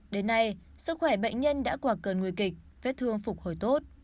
đến nay sức khỏe bệnh nhân đã quả cơn nguy kịch vết thương phục hồi tốt